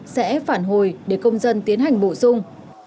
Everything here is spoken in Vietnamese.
sẽ phản hồi để công dân tiến hành bổ sung